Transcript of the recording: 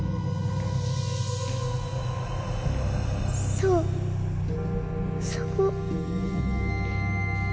・そうそこ。